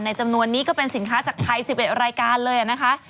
จำนวนนี้ก็เป็นสินค้าจากไทย๑๑รายการเลยนะคะ